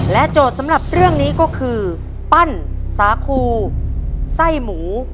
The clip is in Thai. โจทย์สำหรับเรื่องนี้ก็คือปั้นสาคูไส้หมู